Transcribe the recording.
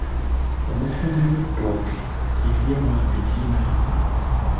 Omufumbi w'ettooke teyalwa bambi naye n'afa.